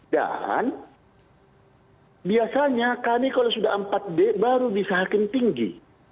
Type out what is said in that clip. dan biasanya kami kalau sudah empat d baru bisa hakim tinggi